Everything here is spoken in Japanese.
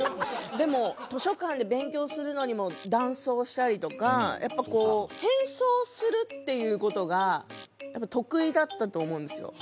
でも図書館で勉強するのにも男装をしたりとかやっぱこう変装するっていうことが得意だったと思うんですよ